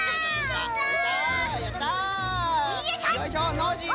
ノージーも。